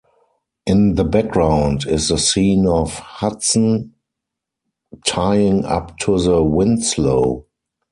In the background is the scene of "Hudson" tying up to the "Winslow".